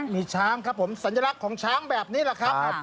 มีช้างครับผมสัญลักษณ์ของช้างแบบนี้แหละครับ